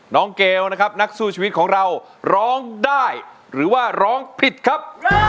เกลนะครับนักสู้ชีวิตของเราร้องได้หรือว่าร้องผิดครับ